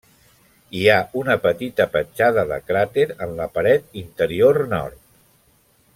Hi ha una petita petjada de cràter en la paret interior nord.